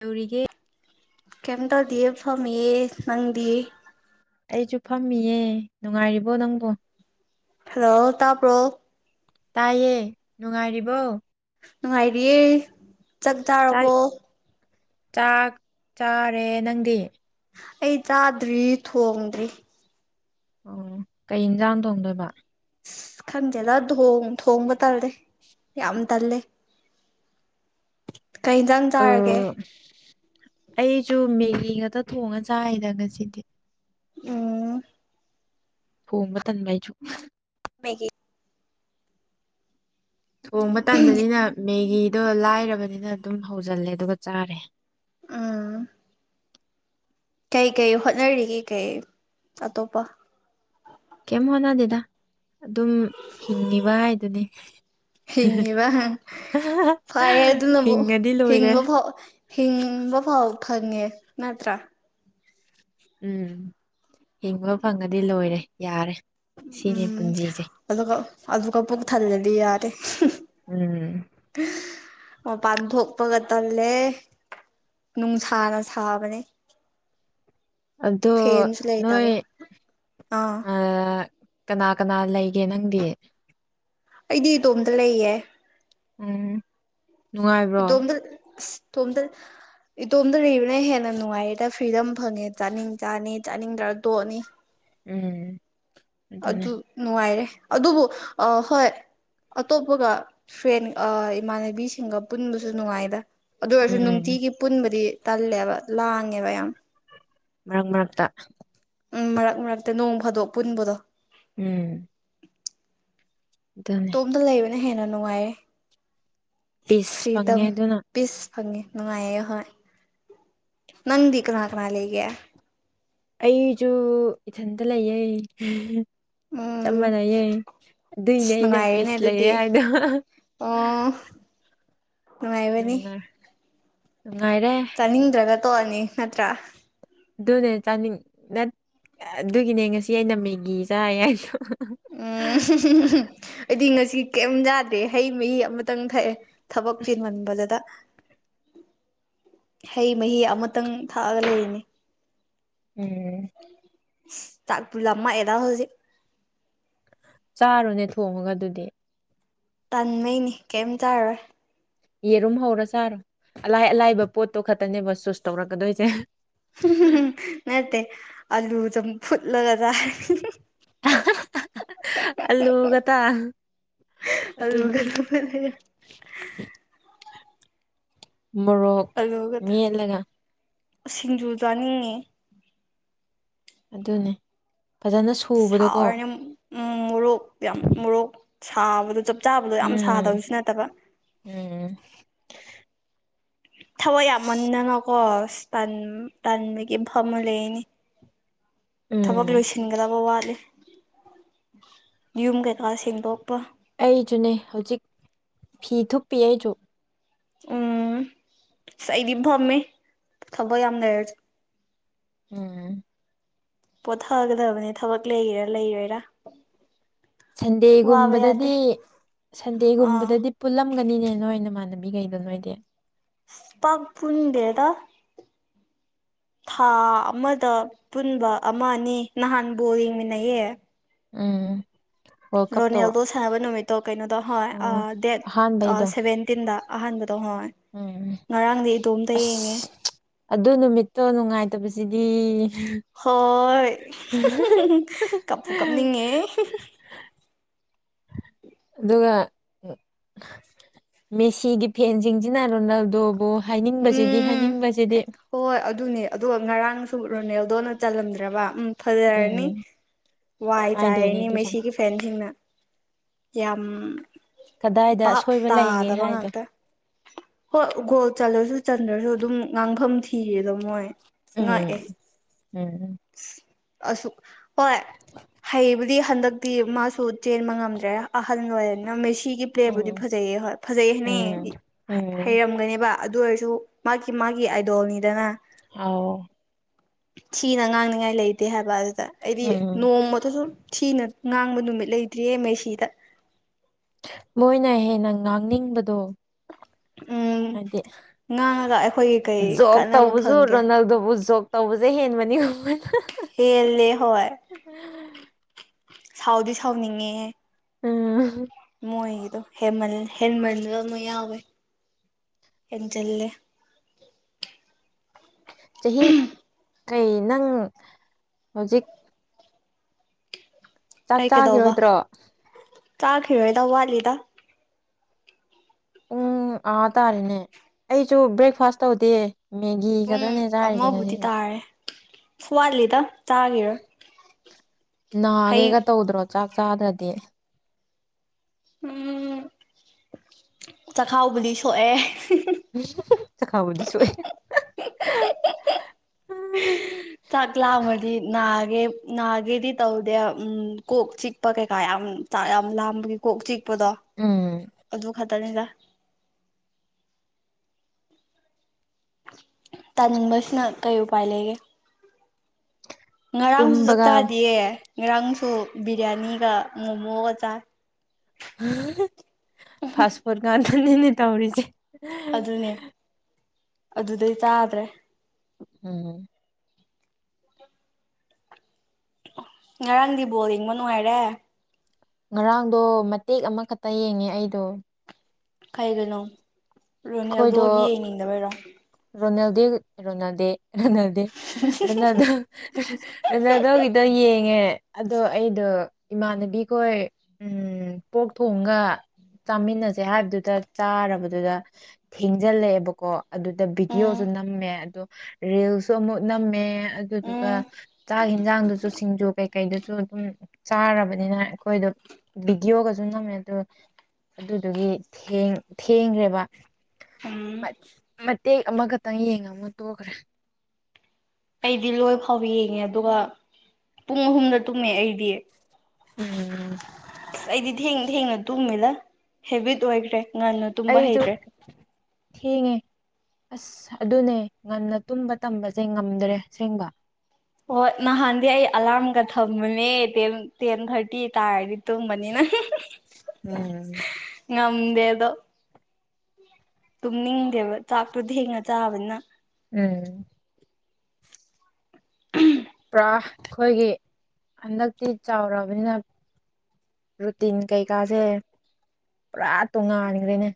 ꯌꯒ ꯀꯝꯇꯧꯗꯤꯌꯦ ꯐꯝ ꯌꯦ ꯅꯪꯗꯤꯌꯦ ꯑꯩꯁꯨ ꯐꯝꯃꯤꯌꯦ ꯅꯨꯡꯉꯥꯏꯔꯤꯕꯣ ꯅꯪꯕꯨꯣ ꯍꯜꯂꯣ ꯇꯥꯄ꯭ꯔꯣ ꯇꯥꯏꯌꯦ ꯅꯨꯡꯉꯥꯏꯔꯤꯕꯣ ꯉꯅꯨꯡ ꯍꯥꯏꯥꯏꯔꯤꯦ ꯆꯥꯛ ꯆꯥꯛꯇꯥꯥꯔꯕꯣ ꯆꯥꯛ ꯆꯥꯔꯦ ꯅꯪꯗꯤ ꯑꯩ ꯆꯥꯗ꯭ꯔꯤ ꯊꯣꯡꯗ꯭ꯔꯤ ꯑꯣ ꯀꯩ ꯏꯟꯁꯥꯡ ꯊꯣꯡꯗꯣꯏꯕ ꯈꯟꯖꯦꯗ ꯊꯣꯡꯕ ꯇꯜꯂꯦ ꯌꯥꯝ ꯇꯜꯂꯦ ꯀꯩꯇꯪ ꯑ ꯆꯥꯔꯒꯦ ꯑꯩꯁꯨ ꯃꯦꯒꯤ ꯉꯛꯇ ꯊꯣꯡꯉ ꯆꯥꯔꯤꯗ ꯉꯁꯤꯗꯤ ꯎꯝ ꯊꯣꯡꯕ ꯇꯟꯕ ꯑꯩꯁꯨ ꯃꯒꯤ ꯊꯣꯡꯕ ꯇꯟꯥꯟꯕꯅꯤꯅ ꯃꯦꯒꯤꯗꯣ ꯂꯥꯏꯔꯕꯅꯤꯅ ꯑꯗꯨꯝ ꯍꯧꯖꯤꯜꯂꯦ ꯑꯗꯨꯒ ꯆꯥꯔꯦ ꯀꯩꯀꯩ ꯍꯣꯠꯅꯔꯤꯒꯦ ꯀꯩ ꯑꯇꯣꯞꯄ ꯀꯝ ꯍꯣꯅꯗꯗ ꯑꯗꯨꯝ ꯍꯤꯡꯉꯤꯕ ꯍꯥꯏꯗꯨꯅꯤ ꯍꯤꯡꯉꯤꯕ ꯐꯔꯦ ꯑꯗꯨꯅꯕꯨ ꯍꯤꯡꯉꯗꯤ ꯂꯣꯏꯔꯦ ꯍꯤꯡꯕ ꯐꯥꯎ ꯅꯠꯇ꯭ꯔ ꯎꯝ ꯍꯤꯡꯕ ꯐꯪꯉꯗꯤ ꯂꯣꯏꯔꯦ ꯌꯥꯔꯦ ꯁꯤꯅꯦ ꯄꯨꯟꯖꯤꯁꯦ ꯑꯗꯨꯛ ꯄꯨꯕꯨꯛ ꯊꯜꯂꯗꯤ ꯌꯥꯔꯦ ꯎꯝ ꯃꯄꯥꯟ ꯊꯣꯛꯄꯒ ꯇꯜꯂꯦ ꯅꯨꯡꯁꯥꯅ ꯁꯥꯕꯅꯦ ꯑꯗꯣ ꯐꯦꯟꯁꯨ ꯅꯣꯏ ꯂꯩꯇꯕ ꯑꯥ ꯀꯅꯥ ꯀꯅꯥ ꯂꯩꯒꯦ ꯅꯪꯗꯤ ꯑꯩꯗꯤ ꯏꯇꯣꯝꯇ ꯂꯩꯌꯦ ꯎꯝ ꯅꯨꯡꯉꯥꯏꯕ꯭ꯔꯣ ꯇꯣꯗꯦꯜ ꯇꯣꯗꯦꯜ ꯏꯇꯣꯝꯗ ꯂꯩꯕꯅ ꯍꯦꯟꯅ ꯅꯨꯡꯉꯥꯏꯌꯦꯗ ꯐ꯭ꯔꯤꯗꯝ ꯐꯪꯉꯦ ꯆꯥꯅꯤꯡ ꯆꯥꯅꯤ ꯆꯥꯅꯤꯡ ꯇꯔ ꯇꯣꯛꯑꯅꯤ ꯎꯝ ꯑꯗꯨꯅꯦ ꯑꯗꯨ ꯅꯨꯡꯉꯥꯏꯔꯦ ꯑꯗꯨꯕꯨ ꯍꯣꯏ ꯑꯇꯣꯞꯄꯒ ꯐ꯭ꯔꯦꯟ ꯏꯃꯥꯟꯅꯕꯤꯁꯤꯡꯒ ꯄꯨꯟꯕꯁꯨ ꯅꯨꯡꯉꯥꯏꯗ ꯑꯗꯨ ꯑꯣꯏꯔꯁꯨ ꯎꯝ ꯅꯨꯡꯇꯤꯒꯤ ꯄꯨꯟꯕꯗꯤ ꯇꯂꯦꯕ ꯂꯥꯉꯦꯕꯌꯥꯝꯌꯥꯝ ꯃꯒ ꯃꯥꯥꯛꯇ ꯎꯝ ꯃꯔꯛ ꯃꯔꯛꯇ ꯅꯣꯡ ꯐꯥꯗꯣꯛ ꯄꯨꯟꯕꯗꯣ ꯎꯝ ꯑꯗꯨꯅꯦ ꯇꯣꯝꯗ ꯂꯩꯕ ꯅ ꯍꯦꯟꯅ ꯅꯨꯡꯉꯥꯏꯔꯦ ꯏꯁꯁ ꯐꯪꯉꯦ ꯑꯗꯨꯅ ꯄꯤꯁ ꯐꯪꯉꯦ ꯅꯨꯡꯉꯥꯏꯌꯦ ꯑꯍꯣꯏ ꯅꯪꯗꯤ ꯀꯅꯥ ꯀꯅꯥ ꯂꯩꯒꯦ ꯑꯩꯁꯨ ꯏꯊꯟꯇ ꯂꯩꯌꯦ ꯆꯞ ꯎꯝ ꯃꯥꯟꯅꯩꯌꯦ ꯑꯁ ꯑꯗꯨꯏꯅꯦ ꯑꯩꯅ ꯅꯨꯡꯉꯥꯏꯔꯦꯅꯦ ꯄꯤꯁ ꯂꯩꯔꯦ ꯑꯗꯨꯗꯤ ꯍꯥꯏꯗꯣ ꯑꯣ ꯅꯨꯡꯉꯥꯏꯕꯅꯤ ꯅꯪꯒ꯫ ꯅꯨꯡꯉꯥꯏꯔꯦ꯫ ꯇꯣꯑꯅꯤ ꯅꯠꯇ꯭ꯔꯥ꯫ ꯑꯗꯨꯅꯦ ꯆꯥꯅꯤꯡ ꯑꯗꯨꯒꯤꯅꯦ ꯉꯁꯤ ꯑꯩꯅ ꯃꯦꯒꯤ ꯆꯥꯏ ꯍꯥꯏꯁꯨ꯫ ꯎꯝ ꯑꯩꯗꯤ ꯉꯁꯤ ꯀꯤ ꯀꯩꯝ ꯌꯥꯗꯦ ꯍꯩ ꯃꯍꯤ ꯑꯃꯇꯪ ꯊꯛꯑꯦ꯫ ꯊꯕꯛ ꯄꯤꯃꯟꯕꯗꯨꯗ꯫ ꯍꯩ ꯃꯍꯤ ꯑꯃꯇꯪ ꯊꯥꯛꯑꯒ ꯂꯩꯔꯤꯅꯤ꯫ ꯎꯝ꯫ ꯇꯥꯛꯄꯤ ꯂꯃ ꯑꯦꯗꯥ ꯍꯧꯖꯤꯛ꯫ ꯆꯥꯔꯨꯅꯦ ꯊꯣꯡꯉꯒ ꯑꯗꯨꯗꯤ꯫ ꯇꯟꯃꯩꯅꯤ ꯀꯩꯝ ꯆꯥꯔꯣꯏ꯫ ꯌꯦꯔꯨꯝ ꯍꯧꯔ ꯆꯥꯔꯣ ꯑꯂꯥꯏ ꯑꯂꯥꯏꯕ ꯄꯣꯠꯇꯣ ꯈꯛꯇꯅꯦꯕ ꯁꯨꯁ ꯇꯧꯔꯛꯀꯗꯣꯏꯁꯦ꯫ ꯅꯠꯇꯦ ꯑꯂꯨ ꯑꯗꯨꯨꯝ ꯐꯨꯠꯂꯒ ꯇꯥꯔꯦ ꯑꯜꯂꯨꯒꯇꯥ ꯑꯂꯨꯒ ꯑꯗꯨꯗꯤ꯫ ꯆꯝꯐꯨꯠꯂꯒ ꯃꯣꯔꯣꯛ ꯑꯂꯨꯒ ꯃꯦꯠꯂꯒ꯫ ꯁꯤꯡꯖꯨ ꯆꯥꯅꯤꯡꯉꯦ꯫ ꯑꯗꯨꯅꯦ꯫ ꯐꯖꯅ ꯁꯨꯕꯗꯣꯀꯣ꯫ ꯃꯨꯔꯣꯛ ꯌꯥꯝ ꯃꯣꯔꯣꯛ꯫ ꯁꯥꯕꯗ ꯆꯠ ꯆꯥꯕꯗꯣ ꯌꯥꯝ ꯎꯝ ꯁꯥꯗꯕꯁꯨ ꯅꯠꯇꯕ꯫ ꯎꯝ ꯊꯋꯥꯏ ꯑꯁ ꯌꯥꯝꯃꯟꯗꯅꯀꯣ꯫ ꯇꯥꯟ ꯇꯥꯟꯃꯤꯒꯤ ꯐꯝꯃꯥ ꯂꯩꯅꯤ꯫ ꯊꯕꯛ ꯎꯝ ꯂꯣꯏꯁꯤꯟꯒꯗꯕ ꯋꯥꯠꯂꯤ꯫ ꯌꯨꯝ ꯀꯩꯀꯥꯁ ꯁꯦꯡꯗꯣꯛꯄ꯫ ꯑꯩꯁꯨꯅꯦ ꯍꯧꯖꯤꯛ ꯐꯤ ꯊꯨꯞꯄꯤ ꯑꯩꯁꯨ꯫ ꯎꯝ ꯉꯁ ꯑꯩꯗꯤ ꯐꯝꯃꯦ ꯊꯕꯛ ꯌꯥꯝ ꯂꯩꯔꯁꯦ ꯎꯝ꯫ ꯄꯣꯊꯒꯗꯕꯅꯦ ꯊꯕꯛ ꯂꯩꯔꯥ ꯂꯩꯔꯒꯥ꯫ ꯁꯟꯗꯦꯒꯨꯝꯕꯗꯗꯤ ꯑꯥ ꯁꯟꯗꯦꯒꯨꯝꯕꯗꯗꯤ ꯄꯨꯜꯂꯝꯒꯅꯤꯅꯦ ꯅꯣꯏ ꯅꯥꯃꯟ ꯅꯕꯤ ꯀꯩꯗ ꯅꯣꯏꯗꯦ꯫ ꯄꯥꯛ ꯄꯨꯟꯗꯦꯗ꯫ ꯊꯥ ꯑꯃꯗ ꯄꯨꯟꯕ ꯑꯃ ꯑꯅꯤ ꯅꯍꯥꯟꯕꯨ ꯌꯦꯡꯃꯤꯟꯅꯩꯌꯦ꯫ ꯎꯝ꯫ ꯋꯥꯔꯜ ꯀꯞꯇꯣ ꯔꯣꯅꯦꯜꯗꯣ ꯁꯥꯟꯅꯕ ꯅꯨꯃꯤꯠ꯫ ꯀꯩꯅꯣꯗꯣ ꯍꯣꯏ ꯎꯝ ꯗꯦꯠ ꯑꯍꯥꯟꯕꯩꯗꯣ ꯁꯦꯕꯦꯟꯇꯤꯟꯗ꯫ ꯑꯍꯥꯟꯗ꯫ ꯗꯣ ꯍꯣꯏ ꯎꯝ ꯉꯔꯥꯡꯗꯤ ꯏꯗꯣꯝꯇ ꯌꯦꯡꯉꯦ꯫ ꯑꯁ ꯑꯗꯨ ꯅꯨꯃꯤꯠꯇꯣ ꯅꯨꯡꯉꯥꯏꯇꯕꯁꯤꯗꯤ꯫ ꯍꯣꯏ ꯀꯄ ꯀꯞꯅꯤꯡꯉꯦ꯫ ꯑꯗꯨꯒ ꯃꯦꯁꯤꯒꯤ ꯐꯦꯟꯁꯤꯡꯁꯤꯅ ꯔꯣꯅꯥꯜꯗꯣꯕꯨ꯫ ꯍꯥꯏꯅꯤꯡꯕꯁꯤꯗꯤ ꯎꯝ ꯍꯥꯏꯅꯤꯡꯕꯁꯤꯗꯤ ꯍꯣꯏ ꯑꯗꯨꯅꯦ ꯑꯗꯨꯒ ꯉꯔꯥꯡꯁꯨ ꯔꯣꯅꯦꯜꯗꯣ ꯅ꯫ ꯆꯜꯂꯝꯗ꯭ꯔꯕ꯫ ꯎꯝ ꯐꯖꯔꯅꯤ ꯎꯝ ꯋꯥꯏ ꯍꯥꯏꯗꯣꯏꯅꯦ ꯆꯥꯏꯔꯅꯤ ꯑꯗꯨ ꯁꯨꯝ ꯃꯦꯁꯤꯒꯤ ꯐꯦꯟꯁꯤꯡꯅ꯫ ꯌꯥꯝ꯫ ꯀꯗꯥꯏꯗ ꯆꯥꯕ ꯑꯁꯣꯏꯕ ꯂꯩꯒꯦ ꯇꯥꯗꯕ ꯍꯥꯏꯗꯣ ꯉꯥꯛꯇꯥ꯫ ꯍꯜꯂꯁꯨ ꯆꯟꯗ꯭ꯔꯁꯨ ꯑꯗꯨꯝ ꯉꯥꯡꯐꯝ ꯊꯤꯔꯦꯗꯣ ꯃꯣꯏ꯫ ꯉꯛꯑꯦ ꯎꯝ ꯎꯝ꯫ ꯑꯁꯨ ꯍꯣꯏ ꯍꯩꯕꯨꯗꯤ ꯍꯟꯗꯛꯇꯤ ꯃꯥꯁꯨ ꯆꯦꯟꯕ ꯉꯝꯗ꯭ꯔꯦ ꯑꯍꯜ ꯑꯣꯏꯔꯅ ꯃꯦꯆ꯫ ꯁꯤꯒꯤ ꯄ꯭ꯂꯦꯠꯕꯨꯗꯤ ꯎꯝ ꯐꯖꯩꯌꯦ ꯍꯣꯏ ꯐꯖꯩ ꯍꯥꯏꯅ ꯎꯝ ꯎꯝ ꯍꯩꯔꯝꯒꯅꯦꯕ꯫ ꯑꯗꯨ ꯑꯣꯏꯔꯁꯨ ꯃꯥꯒꯤ ꯃꯥꯒꯤ ꯑꯥꯏꯗꯣꯜꯅꯤꯗꯅ꯫ ꯑꯥꯎ꯫ ꯊꯤꯅ ꯉꯥꯡꯅꯤꯉꯥꯏ ꯂꯩꯇꯦ ꯍꯥꯏꯕ ꯑꯗꯨ꯫ ꯑꯩꯗꯤ ꯎꯝ ꯅꯣꯡꯃꯊ ꯁꯨꯝ꯫ ꯊꯤꯅ ꯉꯥꯡꯕ ꯅꯨꯃꯤꯠ ꯂꯩꯇ꯭ꯔꯤꯌꯦ ꯃꯩꯁꯤꯗ꯫ ꯃꯣꯏꯅ ꯍꯦꯟꯅ ꯉꯥꯡꯅꯤꯡꯕꯗꯣ꯫ ꯎꯝ ꯍꯥꯏꯗꯤ ꯉꯥꯡꯉꯒ ꯑꯩꯈꯣꯏꯒꯤ ꯀꯩ ꯖꯣꯛ ꯀꯥꯟꯅꯕ ꯇꯧꯕꯁꯨ ꯐꯪꯒꯦ ꯔꯣꯅꯥꯜꯗꯣꯕꯨ ꯖꯣꯛ꯫ ꯇꯧꯕꯁꯦ ꯍꯦꯟꯕꯅꯤ꯫ ꯃꯣꯏꯅ ꯍꯦꯜꯂꯦ ꯍꯣꯏ ꯫ ꯁꯥꯎꯗꯤ ꯁꯥꯎꯅꯤꯡꯉꯦꯍꯦ꯫ ꯎꯝ꯫ ꯃꯣꯏꯒꯤꯗꯣꯃ ꯍꯦꯟꯃꯜꯕ ꯑꯃ ꯌꯥꯎꯋꯦ ꯍꯦꯟꯖꯤꯜꯂꯦ꯫ ꯆꯍꯤ꯫ ꯀꯩ ꯅꯪ ꯍꯧꯖꯤꯛ꯫ ꯆꯥꯛ ꯆꯥꯈꯤꯔꯣꯏꯗ꯭ꯔꯣ꯫ ꯆꯥꯈꯔꯣꯏꯗ ꯋꯥꯠꯂꯤꯗ꯫ ꯄꯨꯡ ꯑꯥ ꯇꯥꯔꯦꯅꯦ ꯑꯩꯁꯨ ꯕ꯭ꯔꯦꯛꯐꯥꯁ ꯇꯧꯗꯦ꯫ ꯃꯦꯒꯤ ꯈꯛꯇꯅꯦ ꯆꯥꯔꯤꯁꯦ ꯉꯁꯤꯁ ꯁꯋꯥꯜ ꯂꯤꯗ ꯍꯩ ꯅꯒꯦꯒ ꯇꯧꯗ꯭ꯔꯣ ꯆꯥꯛ ꯆꯥꯗ꯭ꯔꯗꯤ ꯎꯝ ꯆꯈꯥꯎꯕꯨꯗꯤ ꯁꯣꯛꯑꯦ ꯎ ꯆꯈꯥꯎꯕꯗꯤ ꯁꯣꯛꯑꯦ ꯆꯥꯛ ꯂꯥꯝꯃꯗꯤ ꯅꯥꯒꯦ ꯅꯥꯒꯦꯗꯤ ꯇꯧꯗꯦ ꯎ ꯀꯣꯛ ꯆꯤꯛꯄ ꯀꯩꯀꯥ ꯌꯥꯝ ꯌꯥꯝ ꯂꯥꯝꯕꯒꯤ ꯀꯣꯛ ꯆꯤꯛ ꯗꯣ ꯎꯝ ꯑꯗꯨ ꯈ ꯇꯅꯤꯒ ꯇꯥ [inaudible] ꯇꯥꯟꯕꯁꯅ ꯀꯩ ꯎꯄꯥꯏ ꯂꯩꯒꯦ ꯉꯔꯥꯡꯁꯨ ꯇꯨꯝꯕꯒ ꯆꯥꯛꯇꯥꯗꯤꯌꯦ ꯉꯥꯔꯥꯡꯁꯨ ꯕꯤꯔꯌꯥꯅꯤꯒ ꯃꯣꯃꯣꯒ ꯆꯥ ꯎꯝ ꯐꯥꯥꯁ ꯐꯣꯔꯠꯒꯥꯟ ꯅꯦꯅꯦ ꯇꯧꯔꯤꯁꯤꯦ ꯑꯗꯨꯅꯦ ꯑꯗꯨꯗꯩ ꯇꯥꯗ꯭ꯔꯦ ꯎꯝ ꯉꯔꯥꯡꯗꯤ ꯕꯣꯜ ꯌꯦꯡꯕ ꯅꯨꯡꯉꯥꯏꯔꯦ ꯉꯔꯥꯡꯗꯣ ꯃꯇꯦꯛ ꯑꯃꯈꯛꯇ ꯌꯦꯡꯉꯦ ꯑꯩꯗꯣ ꯀꯩꯒꯣ ꯑꯩꯈꯣꯏꯗꯣ ꯔꯣꯅꯦꯜꯗꯣꯒꯤ ꯌꯦꯡꯅꯤꯡꯗꯕꯔꯣ ꯔꯣꯅꯥꯜꯗꯦ ꯔꯣꯅꯥꯜꯗꯦ ꯔꯅꯥꯗ ꯔꯅꯥꯗꯣ ꯔꯅꯥꯗꯣꯒꯤꯗꯣ ꯌꯦꯡꯉꯦ ꯑꯗꯣ ꯑꯩꯗꯣ ꯏꯃꯥꯟꯅꯕꯤꯈꯣꯏ ꯄꯣꯛ ꯊꯣꯡꯒ ꯆꯥꯃꯤꯟꯅꯁꯦ ꯍꯥꯏꯕꯗꯨꯗ ꯆꯥꯔꯕꯗꯨꯗ ꯊꯦꯡꯖꯤꯜꯂꯛꯑꯦꯕꯀꯣ ꯑꯗꯨꯗ ꯚꯤꯗꯤꯑꯣꯁꯨ ꯎꯝ ꯅꯝꯃꯦ ꯑꯗꯣ ꯔꯦꯁ ꯁ ꯑꯃꯨꯠ ꯅꯝꯃꯦ ꯑꯗꯨꯗꯨꯒ ꯎꯝ ꯆꯥꯛ ꯌꯦꯟꯖꯥꯡꯗꯨꯁꯨ ꯁꯤꯡꯖꯨ ꯀꯩꯩ ꯀꯩꯗꯨꯁꯨ ꯑꯗꯨꯝ ꯆꯥꯔꯕꯅꯤꯅ ꯑꯩꯈꯣꯏꯗꯣ ꯚꯕꯤꯗꯤꯑꯣꯒꯁꯨ ꯉꯝꯃꯦ ꯑꯗꯣ ꯑꯗꯨꯗꯨꯒꯤ ꯊꯦꯡꯈ꯭ꯔꯦꯕ ꯎꯝ ꯃ ꯃ ꯇꯦꯛ ꯑꯃꯈꯛꯇꯪ ꯌꯦꯡꯉ ꯑꯃ ꯇꯣꯛꯈ꯭ꯔꯦ ꯑꯩꯗꯤ ꯂꯣꯏ ꯐꯥꯎꯕ ꯌꯦꯡꯉꯦ ꯑꯗꯨꯒ ꯄꯨꯡ ꯑꯍꯨꯝꯗ ꯇꯨꯝꯃꯦ ꯑꯩꯗꯤ꯫ ꯎꯝ꯫ ꯑꯁ ꯑꯩꯗꯤ ꯊꯦꯡ ꯊꯦꯡꯅ ꯇꯨꯝꯒꯤꯗ ꯍꯦꯕꯤꯠ ꯑꯣꯏꯈ꯭ꯔꯦ꯫ ꯉꯟꯅ ꯇꯨꯝꯕ ꯑꯩꯁꯨ ꯍꯩꯇ꯭ꯔꯦ ꯊꯦꯡꯉꯦ꯫ ꯑꯁ ꯑꯗꯨꯅꯦ ꯉꯟꯅ ꯇꯨꯝꯕ ꯇꯝꯕꯖꯦ ꯉꯝꯗ꯭ꯔꯦ ꯑꯁꯦꯡꯕ꯫ ꯍꯣꯢ ꯅꯍꯥꯟꯗꯤ ꯑꯩ ꯑꯂꯥꯝꯒ ꯊꯝꯕꯅꯦ ꯇꯦꯟ ꯇꯦꯟ ꯊꯥꯔꯇꯤ ꯇꯥꯔꯗꯤ꯫ ꯇꯨꯝꯃꯅꯤꯅ ꯎꯝ [unintelligible] ꯉꯝꯗꯦ ꯑꯗꯣ꯫ ꯇꯨꯝꯅꯤꯡꯗꯦꯕ ꯆꯥꯛꯇꯨ ꯊꯦꯡꯅ ꯆꯥꯕꯅꯤꯅ꯫ ꯎꯝ꯫ ꯄꯨꯔꯥ ꯑꯩꯈꯣꯏꯒꯤ ꯍꯟꯗꯛꯇꯤ ꯆꯥꯎꯔꯕꯅꯤꯅ ꯔꯨꯇꯤꯟ ꯀꯩꯀꯥꯖꯦ ꯄꯨꯔꯥ ꯇꯣꯉꯥꯟꯒ꯭ꯔꯦꯅꯦ꯫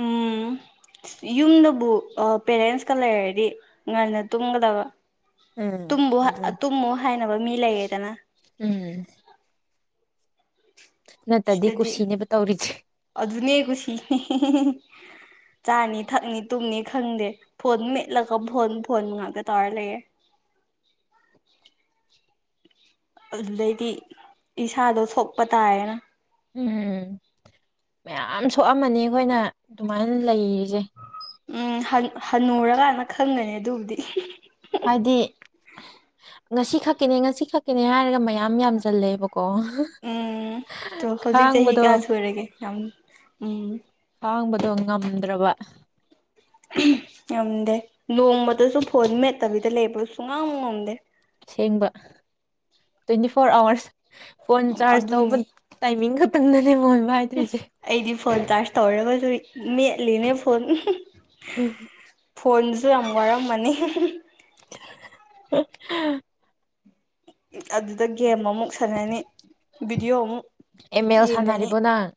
ꯎꯝ ꯌꯨꯝꯗꯕꯨ ꯄꯦꯔꯦꯟꯁꯀ ꯂꯩꯔꯗꯤ ꯉꯟꯅ ꯇꯨꯝꯒꯗꯕ꯫ ꯎꯝ ꯇꯨꯝꯕꯨ ꯑ ꯑꯗꯨꯅꯤ ꯇꯨꯝꯃꯨ ꯍꯥꯏꯅꯕ ꯃꯤ ꯂꯩꯔꯦꯗꯅ꯫ ꯎꯝ ꯅꯠꯇꯗꯤ ꯁꯤꯗꯗꯤ ꯀꯨꯁꯤꯅꯦꯕ ꯇꯧꯔꯤꯁꯦ ꯑꯗꯨꯅꯦ ꯀꯨꯁꯤ [unintelligible] ꯆꯥꯅꯤ ꯊꯛꯅꯤ ꯇꯨꯝꯅꯤ ꯈꯪꯗꯦ ꯐꯣꯟ ꯃꯦꯠꯂꯒ ꯐꯣꯟ ꯐꯣꯟ ꯉꯥꯛꯇ ꯇꯧꯔ ꯂꯩꯔꯦ꯫ ꯑꯗꯨꯗꯩꯗꯤ ꯏꯁꯥꯗꯣ ꯁꯣꯛꯄ ꯇꯥꯔꯦꯅ꯫ ꯎꯝ꯫ ꯃꯌꯥꯝ ꯁꯣꯛꯑꯝꯃꯅꯤ ꯑꯩꯈꯣꯏꯅꯥ ꯑꯗꯨꯃꯥꯏ ꯂꯩꯔꯤꯖꯦ꯫ ꯎꯝ ꯍꯟꯅꯨꯔꯀꯥꯟꯗ ꯈꯪꯒꯅꯤ ꯑꯗꯨꯕꯨꯗꯤ [unintelligible] ꯍꯥꯏꯗꯤ ꯉꯁꯤ ꯈꯛꯀꯤꯅꯤ ꯉꯁꯤ ꯈꯛꯀꯤꯅꯤ ꯍꯥꯏꯔꯒ ꯃꯌꯥꯝ ꯌꯥꯝꯖꯂꯦꯕꯀꯣ ꯎꯝ ꯇꯣ [unintelligible] ꯍꯧꯖꯤꯛ ꯆꯍꯤ ꯈꯥꯡꯕꯗꯣ ꯀꯌꯥ ꯁꯨꯔꯒꯦ ꯌꯥꯝ ꯎꯝ ꯈꯥꯡꯕ [unintelligible] ꯉꯝꯗ꯭ꯔꯕꯥ ꯉꯝꯗꯦ ꯅꯣꯡꯃꯇꯁꯨ ꯐꯣꯟ ꯃꯦꯠꯇꯕꯤꯗ ꯂꯩꯕ ꯁꯨꯉꯝ ꯉꯝꯗꯦ ꯁꯦꯡꯕ twenty four hours phone charge ꯇꯧꯕ ꯑꯗꯨꯅꯤ ꯇꯥꯏꯃꯤꯡ ꯈꯛ [unintelligible] ꯑꯩꯗꯤ ꯐꯣꯟ ꯆꯥꯔꯖ ꯇꯧꯔꯒꯖꯨ ꯃꯦꯠꯂꯤꯅꯦ ꯐꯣꯟ ꯐꯣꯟꯁꯨ ꯌꯥꯝ ꯋꯥꯔꯝꯃꯅꯤ [unintelligible] [unintelligible] ꯑꯗꯨꯗ ꯒꯦꯝ ꯑꯃꯨꯛ ꯁꯥꯟꯅꯅꯤ ꯚꯤꯗꯤꯑꯣ ꯑꯃꯨꯛ ꯑꯦꯝ ꯑꯦꯜ ꯁꯥꯟꯅꯔꯤꯕꯣ ꯅꯪ꯫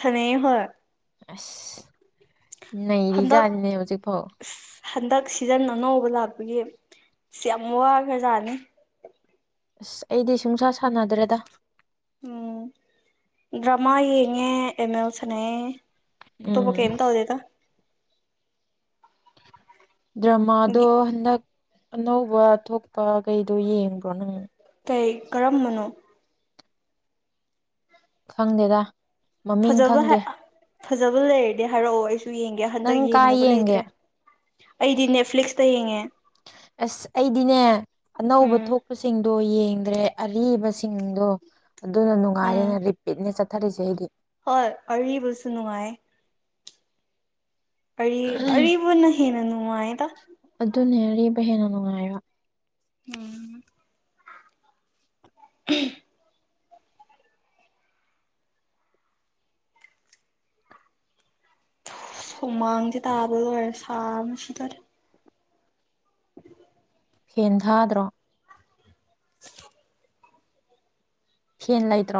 ꯁꯟꯅꯩꯌꯦ ꯍꯣꯢ꯫ ꯑꯁ ꯅꯩꯔꯤ ꯍꯟꯗꯛ ꯖꯥꯠꯅꯤꯅꯦ ꯍꯧꯖꯤꯛꯐꯥꯎ꯫ ꯍꯟꯗꯛ ꯁꯤꯖꯟ ꯑꯅꯧꯕ ꯂꯥꯛꯄꯒꯤ ꯑꯁ ꯌꯥꯝ ꯋꯥꯒ꯭ꯔꯖꯥꯅꯤ꯫ ꯑꯁ ꯑꯩꯗꯤ ꯁꯨꯡꯁꯥ ꯁꯥꯟꯅꯗ꯭ꯔꯦꯗ꯫ ꯎꯝ ꯗ꯭ꯔꯃꯥ ꯌꯦꯉꯦ ꯑꯦꯝ ꯑꯦꯜ ꯁꯥꯟꯅꯩꯌꯦ꯫ ꯑꯇꯣꯞꯄ ꯎꯝ ꯀꯩꯝ ꯇꯧꯗꯦꯗ꯫ ꯗ꯭ꯔꯃꯥꯗꯣ ꯍꯟꯗꯛ ꯑꯅꯧꯕ ꯊꯣꯛꯄ ꯀꯩꯗꯣ ꯌꯦꯡꯕ꯭ꯔꯣ ꯅꯪ ꯀꯩ ꯀꯔꯝꯕꯅꯣ ꯐꯪꯗꯦꯗ ꯐꯖꯕ ꯐꯖꯕ ꯂꯩꯔꯗꯤ ꯍꯥꯏꯔꯛꯑꯣ ꯑꯩꯁꯨ ꯌꯦꯡꯒꯦ ꯍꯟꯗꯛ ꯅꯪ ꯀꯥꯏ ꯌꯦꯡꯅꯕ ꯌꯦꯡꯒꯦ ꯂꯩꯇ꯭ꯔꯦ ꯑꯩꯗꯤ ꯅꯦꯠꯐ꯭ꯂꯤꯛꯁꯇ ꯌꯡꯉꯦ ꯑꯁ ꯑꯩꯗꯤꯅꯦ ꯑꯅꯧꯕ ꯎꯝ ꯊꯣꯛꯄꯁꯤꯡ ꯑꯗꯨꯒꯥ ꯌꯦꯡꯗ꯭ꯔꯦ ꯑꯔꯤꯕꯁꯤꯡꯗꯣ ꯑꯗꯨꯅ ꯎꯝ ꯅꯨꯡꯉꯥꯏꯔꯦꯅ ꯔꯤꯄꯤꯠꯅꯦ ꯆꯠ ꯆꯥꯔꯤꯁꯦ ꯑꯩꯗꯤ ꯍꯣꯏ ꯑꯔꯤꯕꯁꯨ ꯅꯨꯡꯉꯥꯏ ꯑꯔꯤ ꯑꯔꯤꯕꯅ ꯍꯦꯅꯥꯅ ꯎꯗ ꯑꯗꯨꯅꯦ ꯑꯔꯤꯕ ꯍꯦꯟꯅ ꯅꯨꯡꯉꯥꯏꯕ ꯎꯝ [inaudible] ꯁꯨꯃꯥꯡꯁꯦ ꯇꯥꯕ ꯂꯣꯏꯔꯦ ꯁꯥꯅꯁꯨꯗꯔꯦ ꯍꯦꯟꯊꯥꯗ꯭ꯔꯣ [inaudible] ꯍꯟ ꯂꯥꯏꯗ꯭ꯔꯣ